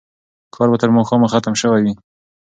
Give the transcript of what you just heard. کار به تر ماښامه ختم شوی وي.